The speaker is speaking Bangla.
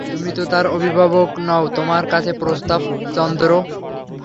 তুমি তো তাঁর অভিভাবক নও– তোমার কাছে প্রস্তাব– চন্দ্র।